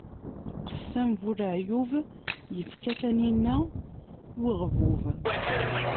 Qessam bu leɛyub, ifka taninna i uɣbub.